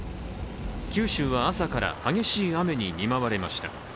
九州は朝から激しい雨に見舞われました。